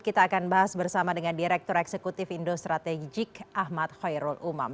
kita akan bahas bersama dengan direktur eksekutif indo strategik ahmad khairul umam